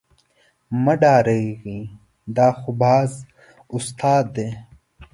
مه ډارېږئ دا خو باز استاد دی.